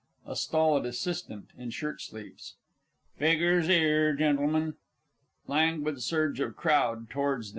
A STOLID ASSISTANT (in shirtsleeves). Figgers 'ere, Gen'lm'n! [_Languid surge of crowd towards them.